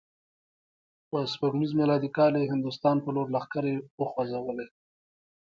په سپوږمیز میلادي کال یې هندوستان په لور لښکرې وخوزولې.